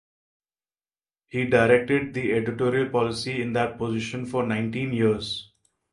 He directed the editorial policy in that position for nineteen years.